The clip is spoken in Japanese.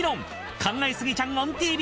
『考えすぎちゃんＯＮＴＶ